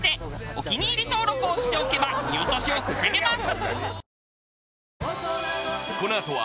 お気に入り登録をしておけば見落としを防げます。